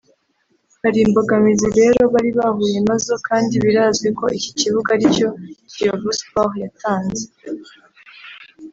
Hari imbogamizi rero bari bahuye nazo kandi birazwi ko iki kibuga aricyo Kiyovu sport yatanze